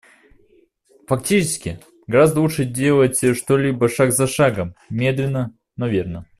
Фактически, гораздо лучше делать что-либо шаг за шагом, медленно, но верно.